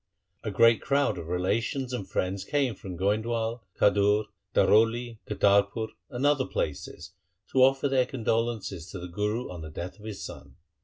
A great crowd of relations and friends came from Goindwal, Khadur, Daroli, Kartarpur, and other places to offer their condolences to the Guru on the death of his son.